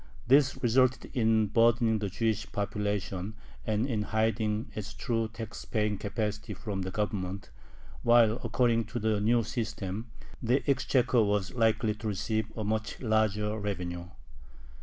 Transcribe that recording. This resulted in burdening the Jewish population and in hiding its true tax paying capacity from the Government, while according to the new system the exchequer was likely to receive a much larger revenue.